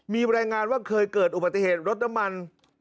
มีรายงานว่าเคยเกิดอุบัติเหตุรถน้ำมัน